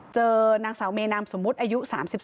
เจอนางสาวเมนามสมมุติอายุ๓๒